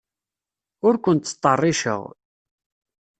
Ur ken-ttṭerriceɣ.